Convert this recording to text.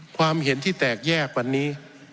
ความเห็นที่แตกแยกวันนี้